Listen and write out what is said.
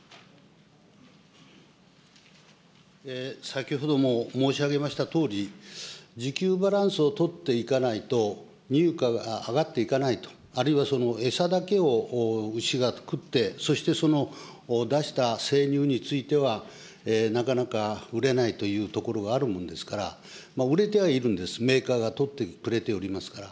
先ほども申し上げましたとおり、時給バランスを取っていかないと、乳価が上がっていかないと、あるいは餌だけを牛が食って、そしてその出した生乳については、なかなか売れないというところがあるものですから、売れてはいるんです、メーカーがとってくれておりますから。